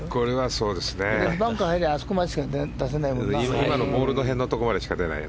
バンカー入りゃあそこまでしか出せないもんな。